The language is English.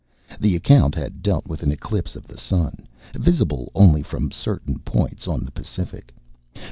The account had dealt with an eclipse of the sun, visible only from certain points on the Pacific.